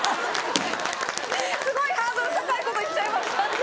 すごいハードル高いこと言っちゃいました！